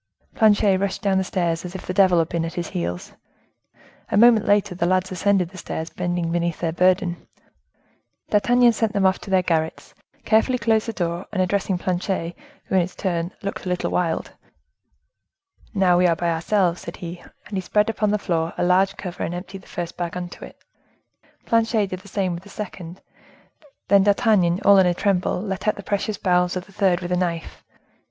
Planchet rushed down the stairs, as if the devil had been at his heels. A moment later the lads ascended the stairs, bending beneath their burden. D'Artagnan sent them off to their garrets, carefully closed the door, and addressing Planchet, who, in his turn, looked a little wild,— "Now, we are by ourselves," said he; and he spread upon the floor a large cover, and emptied the first bag into it. Planchet did the same with the second; then D'Artagnan, all in a tremble, let out the precious bowels of the third with a knife.